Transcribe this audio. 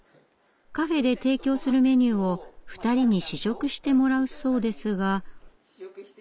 カフェで提供するメニューを２人に試食してもらうそうですが。